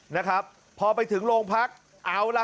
นะครับพอไปถึงโรงพักเอาล่ะ